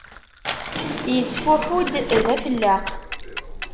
Yettfuḥu-d d afelleq.